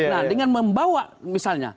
nah dengan membawa misalnya